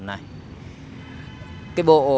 cả hai cái tác phẩm